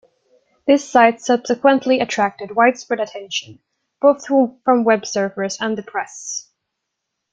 The site subsequently attracted widespread attention, both from Web surfers and the press.